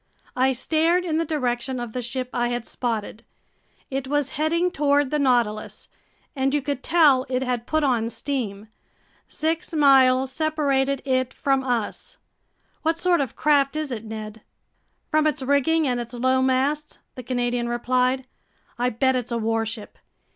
I stared in the direction of the ship I had spotted. It was heading toward the Nautilus, and you could tell it had put on steam. Six miles separated it from us. "What sort of craft is it, Ned?" "From its rigging and its low masts," the Canadian replied, "I bet it's a warship.